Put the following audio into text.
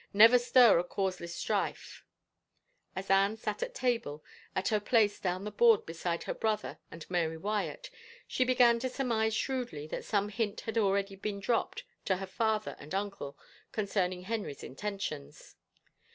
Never stir a cause less strife. ..." As Anne sat at table, at her place down the board beside her brother and Mary Wyatt, she began to surmise shrewdly that some hint had been already dropped to her father and uncle concerning Henry's intentions.